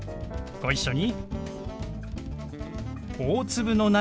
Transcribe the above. ご一緒に。